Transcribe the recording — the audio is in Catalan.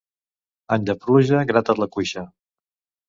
Any de pluja, grata't la cuixa.